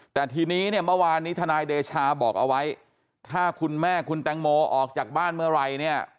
แต่ทีนี้เนี่ยเมื่อวานนี้ทนายเดชาบอกเอาไว้ถ้าคุณแม่คุณแตงโมออกจากบ้านเมื่อไหร่เนี่ย